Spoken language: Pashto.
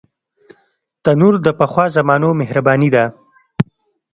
تنور د پخوا زمانو مهرباني ده